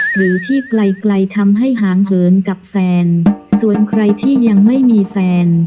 หรือที่ไกลไกลทำให้หางเหินกับแฟนส่วนใครที่ยังไม่มีแฟน